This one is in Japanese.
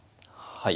はい。